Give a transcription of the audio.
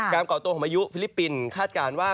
ก่อตัวของพายุฟิลิปปินส์คาดการณ์ว่า